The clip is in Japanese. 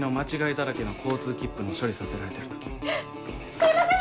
すいません！